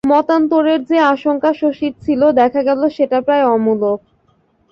মতান্তরের যে আশঙ্কা শশীর ছিল, দেখা গেল সেটা প্রায় অমূলক।